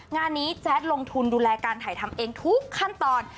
งานนี้แจ๊ดลงทุนดูแลการถ่ายทำเองทุกขั้นตอน